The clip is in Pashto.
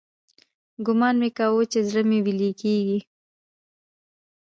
ګومان مې كاوه چې زړه مې ويلېږي.